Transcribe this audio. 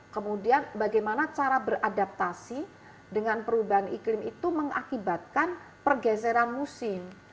kemudian bagaimana cara beradaptasi dengan perubahan iklim itu mengakibatkan pergeseran musim